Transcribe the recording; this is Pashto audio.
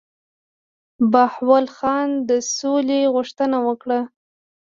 بهاول خان د سولي غوښتنه وکړه.